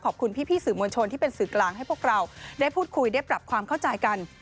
ขอบคุณพี่สื่อมวลชนที่เป็นสื่อกลางให้พวกเราได้พูดคุยได้ปรับความเข้าใจกัน